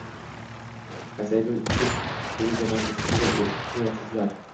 Qaysi aybim uchun meni jamoatchilik sudiga qo‘yayapsizlar?